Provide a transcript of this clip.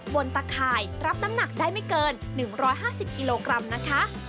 ตะข่ายรับน้ำหนักได้ไม่เกิน๑๕๐กิโลกรัมนะคะ